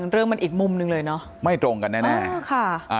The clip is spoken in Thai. เรื่องมันอีกมุมหนึ่งเลยเนอะไม่ตรงกันแน่ค่ะอ่า